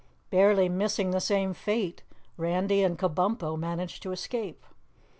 Barely missing the same fate, Randy and Kabumpo managed to escape.